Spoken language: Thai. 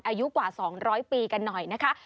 อายุกว่า๒๐๐ปีกันหน่อยนะคะ